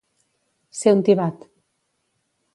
Ser un tibat.